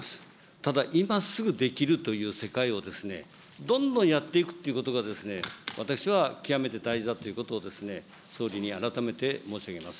ただ、今すぐできるというをどんどんやっていくということが、私は極めて大事だということを、総理に改めて申し上げます。